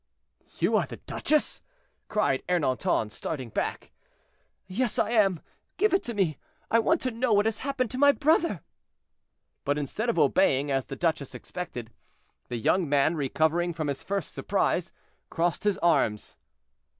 "You are the duchesse!" cried Ernanton, starting back. "Yes, I am. Give it to me; I want to know what has happened to my brother." But instead of obeying, as the duchess expected, the young man, recovering from his first surprise, crossed his arms.